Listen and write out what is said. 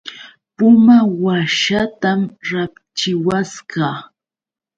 Puma washaatam rapchiwasqa.